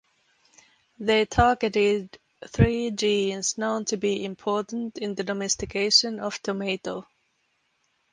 They targeted three genes known to be important in the domestication of tomato.